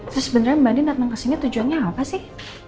terus sebenarnya mbak dina datang ke sini tujuannya apa sih